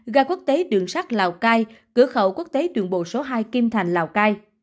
gà quốc tế đường sắt lào cai cửa khẩu quốc tế đường bộ số hai kim thành lào cai